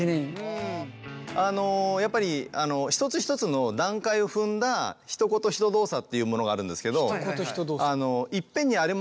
あのやっぱり一つ一つの段階を踏んだひと言ひと動作というものがあるんですけど。